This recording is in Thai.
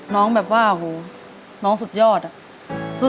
น้องแบบว่าโหน้องสุดยอดอะ